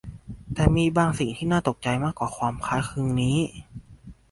แต่มีบางสิ่งที่น่าตกใจมากกว่าความคล้ายคลึงนี้